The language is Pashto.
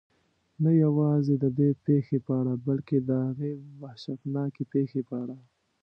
نه یوازې ددې پېښې په اړه بلکې د هغې وحشتناکې پېښې په اړه.